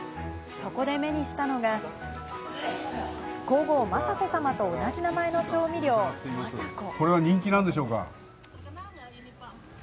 そこで目にしたのが皇后・雅子さまと同じ名前の調味料「Ｍａｓａｋｏ」。